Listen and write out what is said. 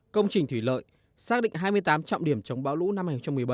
công trình thủy lợi xác định hai mươi tám trọng điểm chống bão lũ năm hai nghìn một mươi bảy